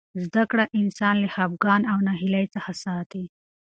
زده کړه انسان له خفګان او ناهیلۍ څخه ساتي.